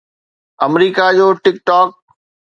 آمريڪا جو ٽڪ ٽاڪ